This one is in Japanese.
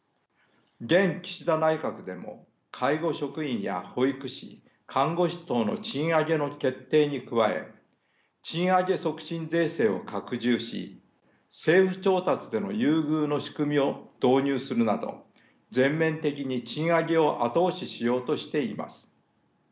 現岸田内閣でも介護職員や保育士看護師等の賃上げの決定に加え賃上げ促進税制を拡充し政府調達での優遇の仕組みを導入するなど全面的に賃上げを後押ししようとしています。